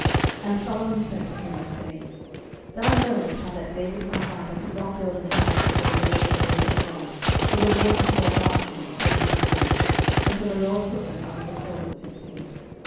11:005:002 And Solomon sent to Hiram, saying, 11:005:003 Thou knowest how that David my father could not build an house unto the name of the LORD his God for the wars which were about him on every side, until the LORD put them under the soles of his feet.